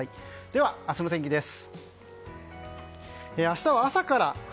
では、明日の天気です。